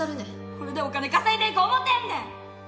これでお金稼いでいこう思てんねん！